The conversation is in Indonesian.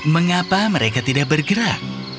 mengapa mereka tidak bergerak